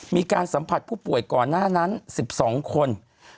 มีการสัมผัสผู้ป่วยก่อนหน้านั้น๑๒คน